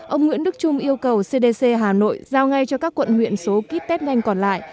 ông nguyễn đức trung yêu cầu cdc hà nội giao ngay cho các quận huyện số ký test nhanh còn lại